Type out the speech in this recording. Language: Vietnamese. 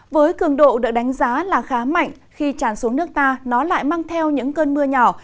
với cường độ được đánh giá là khá mạnh khi tràn xuống nước ta nó lại mang theo những cơn mưa nhỏ